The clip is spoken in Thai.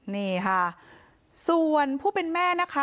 นี่ค่ะส่วนผู้เป็นแม่นะคะ